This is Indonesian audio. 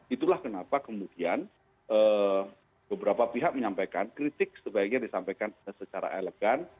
itulah kenapa kemudian beberapa pihak menyampaikan kritik sebaiknya disampaikan secara elegan